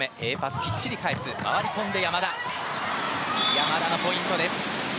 山田のポイントです。